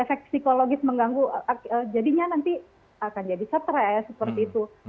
efek psikologis mengganggu jadinya nanti akan jadi stres seperti itu